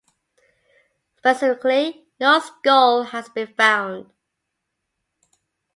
Specifically, no skull has been found.